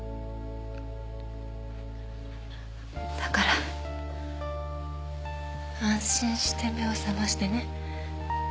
だから安心して目を覚ましてね。